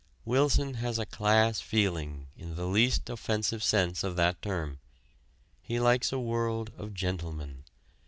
Wilson has class feeling in the least offensive sense of that term: he likes a world of gentlemen.